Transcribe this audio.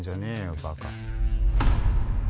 バカ。